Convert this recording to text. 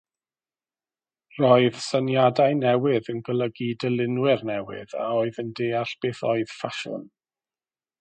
Roedd syniadau newydd yn golygu dylunwyr newydd a oedd yn deall beth oedd ffasiwn.